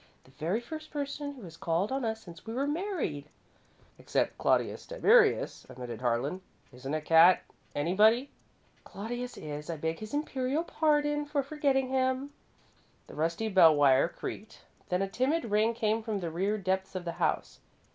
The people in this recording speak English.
"The very first person who has called on us since we were married!" "Except Claudius Tiberius," amended Harlan. "Isn't a cat anybody?" "Claudius is. I beg his imperial pardon for forgetting him." The rusty bell wire creaked, then a timid ring came from the rear depths of the house.